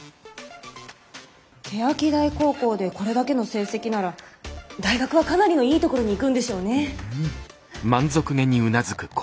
欅台高校でこれだけの成績なら大学はかなりのいいところに行くんでしょうねえ。